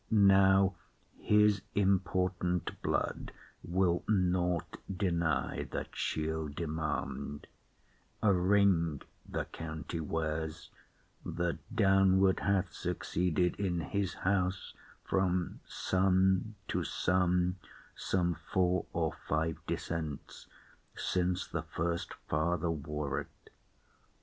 Now his important blood will naught deny That she'll demand; a ring the county wears, That downward hath succeeded in his house From son to son, some four or five descents Since the first father wore it.